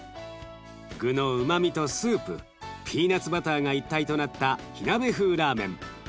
具のうまみとスープピーナツバターが一体となった火鍋風ラーメン。